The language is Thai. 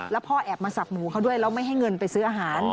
แล้วพ่อแอบมาสับหมูเขาด้วยแล้วไม่ให้เงินไปซื้ออาหาร